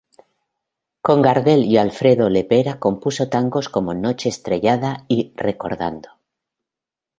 Con Gardel y Alfredo Le Pera compuso tangos como "Noche estrellada" y "Recordando".